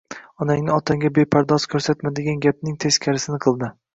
Onangni otangga bepardoz ko‘rsatma degan gapning teskarisini qildi